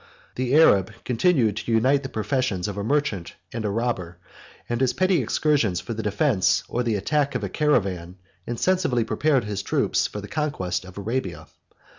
The Arab continued to unite the professions of a merchant and a robber; and his petty excursions for the defence or the attack of a caravan insensibly prepared his troops for the conquest of Arabia.